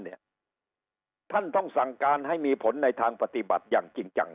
ท่านต้องสั่งการให้มีผลในทางปฏิบัติอย่างจริงจัง